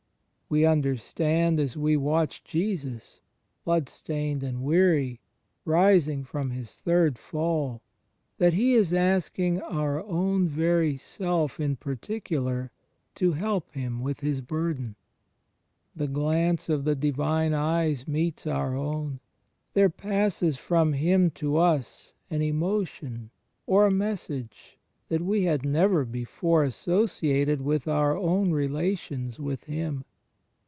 We xmderstand as we watch Jesus, bloodstained and weary, rising from His third fall, that He is asking our own very self in particular to help Him with His bxirden. The glance of the Divine Eyes meets our own; there passes from Him to us an emotion or a message that we had never before associated with our own relations with Him.